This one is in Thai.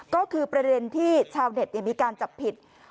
ก็คือประเด็นที่ชาวเน็ตมีการจับผิด